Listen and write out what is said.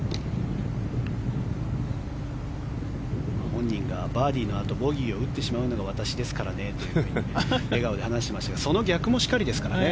本人がバーディーのあとボギーを打ってしまうのが私ですからねと笑顔で話してましたがその逆もしかりですからね。